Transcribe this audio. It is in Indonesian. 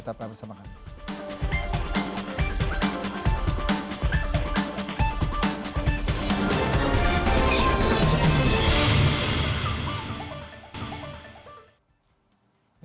tapan bersama kami